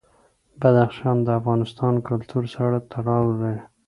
بدخشان د افغان کلتور سره تړاو لري.